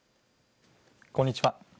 こんにちは。